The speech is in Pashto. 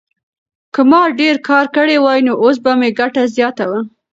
که ما ډېر کار کړی وای نو اوس به مې ګټه زیاته وه.